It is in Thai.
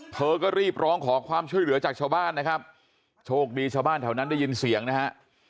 เธอก็รีบร้องขอความช่วยเหลือจากชาวบ้านนะครับโชคดีชาวบ้านแถวนั้นได้ยินเสียงนะฮะ